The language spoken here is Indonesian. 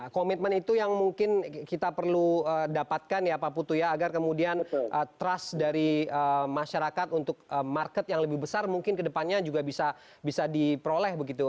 komitmen itu yang mungkin kita perlu dapatkan ya pak putu ya agar kemudian trust dari masyarakat untuk market yang lebih besar mungkin kedepannya juga bisa diperoleh begitu